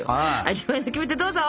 味わいのキメテどうぞ！